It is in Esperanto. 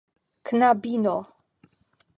knabino